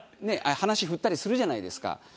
話振ったりするじゃないですか。